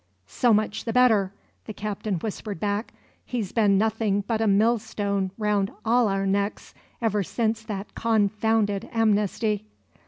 "So much the better!" the captain whispered back. "He's been nothing but a mill stone round all our necks ever since that confounded amnesty."